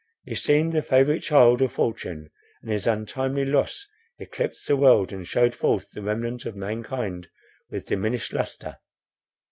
He seemed the favourite child of fortune, and his untimely loss eclipsed the world, and shewed forth the remnant of mankind with diminished lustre.